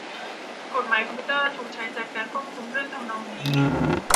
กฎหมายคอมพิวเตอร์ถูกใช้จัดการควบคุมเรื่องทำนองนี้